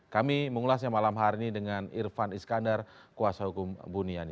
kami mengulasnya malam hari ini dengan irfan iskandar kuasa hukum buniani